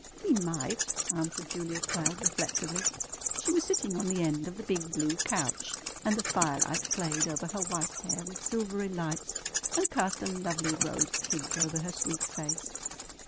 "He might," answered Julia Cloud reflectively. She was sitting on the end of the big blue couch, and the firelight played over her white hair with silvery lights, and cast a lovely rose tint over her sweet face.